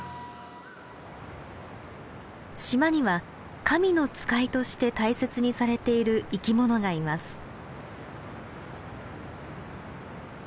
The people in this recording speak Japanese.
島には「神の使い」として大切にされている生きものがいます。